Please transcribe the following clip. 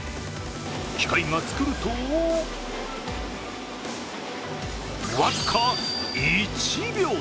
機械が作ると僅か１秒！